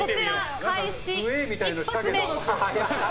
開始一発目。